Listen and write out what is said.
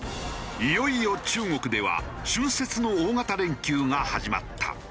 いよいよ中国では春節の大型連休が始まった。